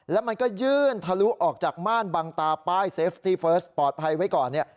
แล้วมันก็ยื่นทะลุออกจากม่านบังตาป้ายเซฟตี้เฟิร์สปลอดภัยไว้ก่อนเนี่ย